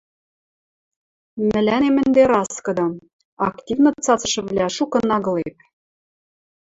Мӹлӓнем ӹнде раскыды: активно цацышывлӓ шукын агылеп.